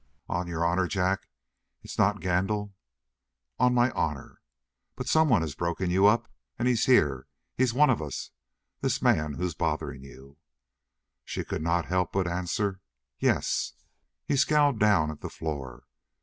"On your honor, Jack, it's not Gandil?" "On my honor." "But someone has broken you up. And he's here he's one of us, this man who's bothered you." She could not help but answer: "Yes." He scowled down at the floor.